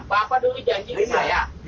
bapak dulu janji ke saya